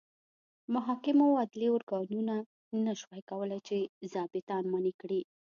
محاکمو او عدلي ارګانونو نه شوای کولای چې ظابیطان منع کړي.